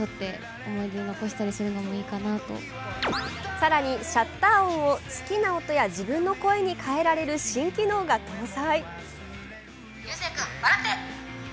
更にシャッター音を好きな音や自分の声に変えられる新機能が搭載。